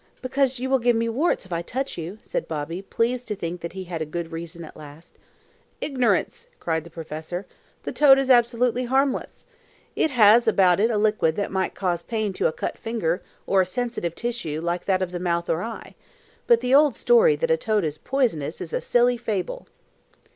"Because you will give me warts if I touch you," said Bobby, pleased to think that he had a good reason at last. "Ignorance!" cried the professor. "The toad is absolutely harmless. It has about it a liquid that might cause pain to a cut finger or a sensitive tissue like that of the mouth or eye, but the old story that a toad is poisonous is a silly fable."